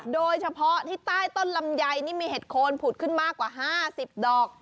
โดยเฉพาะที่ใต้ต้นลำไยนี่มีเห็ดโคนผุดขึ้นมากกว่า๕๐ดอก